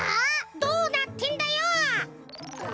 どうなってんだよ！？